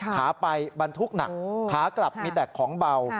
ขาไปบรรทุกหนักขากลับมีแต่ของเบา